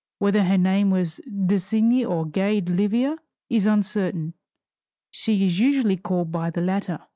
Whether her name was d'Essigny or Gay d'Oliva, is uncertain; she is usually called by the latter.